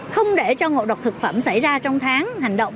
không để cho ngộ độc thực phẩm xảy ra trong tháng hành động